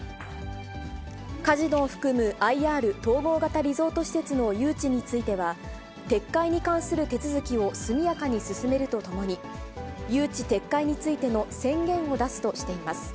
カジノを含むＩＲ・統合型リゾート施設の誘致については、撤回に関する手続きを速やかに進めるとともに、誘致撤回についての宣言を出すとしています。